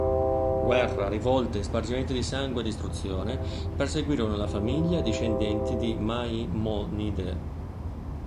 Guerra, rivolte, spargimenti di sangue e distruzione perseguirono la famiglia e discendenti di Maimonide.